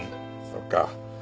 そうか。